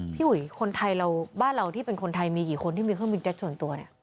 อุ๋ยคนไทยเราบ้านเราที่เป็นคนไทยมีกี่คนที่มีเครื่องบินแจ็คส่วนตัวเนี่ย